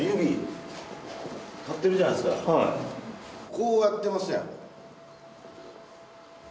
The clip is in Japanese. こうやってますやん。